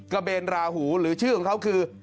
เบนราหูหรือชื่อของเขาคือ